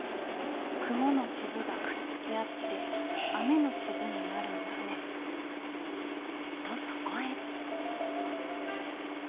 くものつぶがくっつきあって雨のつぶになるんだね」とそこへ。